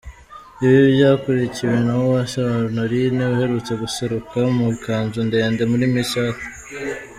Ibi byakurikiwe na Uwase Honorine uherutse guseruka mu ikanzu ndende muri Miss Earth.